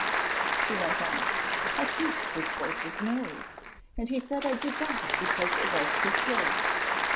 She went on, "I kissed his horse's nose, and he said I did that because it was his horse.